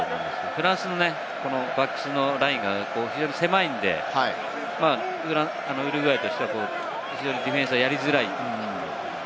フランスのバックスのラインが非常に狭いんで、ウルグアイとしては非常にディフェンスはやりづらい。